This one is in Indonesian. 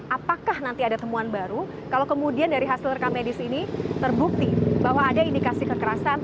apakah nanti ada temuan baru kalau kemudian dari hasil rekam medis ini terbukti bahwa ada indikasi kekerasan